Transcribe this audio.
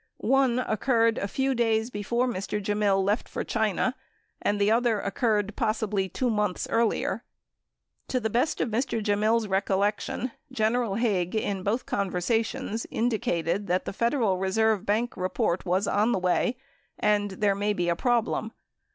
One occurred a few days before Mr. Gemmill left for China and the other occurred possibly 2 months earlier. To the best of Mr. Gemmill's recollection. General Haig in both conversa tions indicated that the Federal Reserve Bank report was on the way and "there may be a problem."